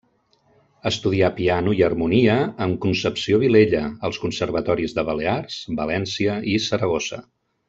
Estudià piano i harmonia amb Concepció Vilella als conservatoris de Balears, València i Saragossa.